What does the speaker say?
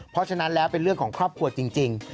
เพราะฉะนั้นแล้วเป็นเรื่องของครอบครัวจริง